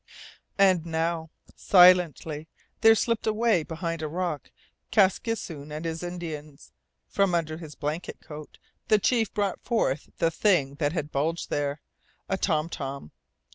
And now, silently, there slipped away behind a rock Kaskisoon and his Indians. From under his blanket coat the chief brought forth the thing that had bulged there, a tom tom.